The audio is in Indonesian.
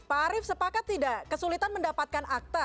pak arief sepakat tidak kesulitan mendapatkan akta